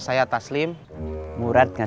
kenapa di nomor itu bang